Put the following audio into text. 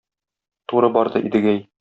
Туры барды Идегәй.